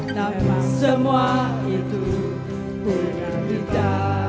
namun semua itu untuk kita